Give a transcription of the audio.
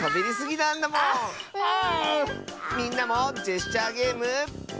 みんなもジェスチャーゲーム。